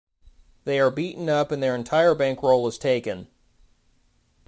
They are beaten up and their entire bankroll is taken.